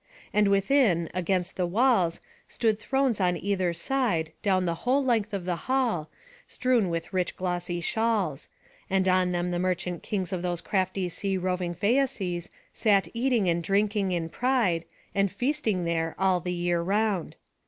And within, against the walls, stood thrones on either side, down the whole length of the hall, strewn with rich glossy shawls; and on them the merchant kings of those crafty sea roving Phæaces sat eating and drinking in pride, and feasting there all the year round.